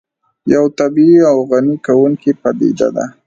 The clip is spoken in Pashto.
یو طبیعي او غني کوونکې پدیده ده